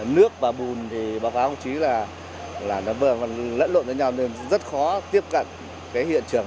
nước và bùn báo cáo đồng chí là lẫn lộn với nhau nên rất khó tiếp cận hiện trường